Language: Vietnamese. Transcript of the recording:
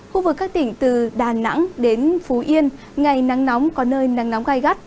khu vực các tỉnh từ đà nẵng đến phú yên ngày nắng nóng có nơi nắng nóng gai gắt